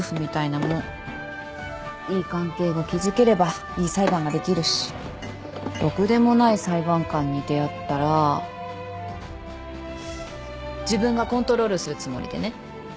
いい関係を築ければいい裁判ができるしろくでもない裁判官に出会ったら自分がコントロールするつもりでね。